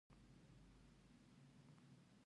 دا حقيقت نه پټېږي چې د مينې احساس اړيکې لري.